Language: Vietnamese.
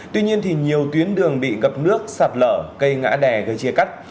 tuy nhiên thì nhiều tuyến đường bị gập nước sạt lở cây ngã đè gây chia cắt